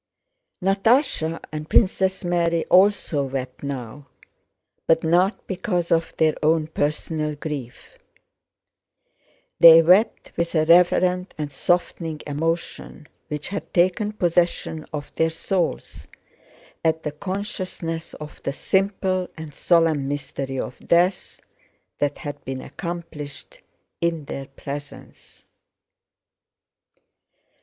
Natásha and Princess Mary also wept now, but not because of their own personal grief; they wept with a reverent and softening emotion which had taken possession of their souls at the consciousness of the simple and solemn mystery of death that had been accomplished in their presence.